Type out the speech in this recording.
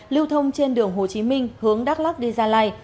lưu thông trên đường hồ chí minh hướng đắk lắc đi gia lai